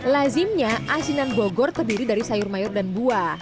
lazimnya asinan bogor terdiri dari sayur mayur dan buah